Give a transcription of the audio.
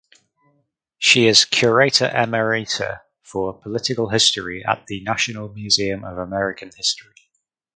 She is curator emerita for political history at the National Museum of American History.